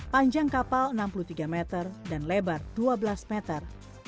panjang kapal enam puluh tiga meter dan lebar dua belas meter